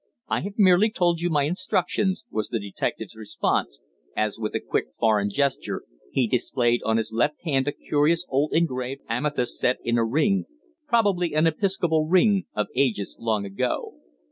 "I have merely told you my instructions," was the detective's response, as, with a quick, foreign gesture, he displayed on his left hand a curious old engraved amethyst set in a ring probably an episcopal ring of ages long ago.